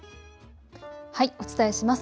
お伝えします。